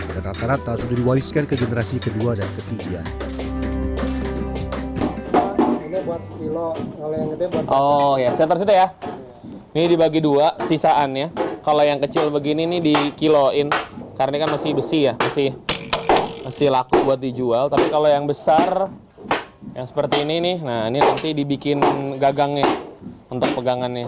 dan rata rata sudah diwariskan ke generasi ke dua dan ke tiga